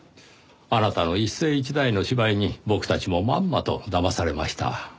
あなたの一世一代の芝居に僕たちもまんまとだまされました。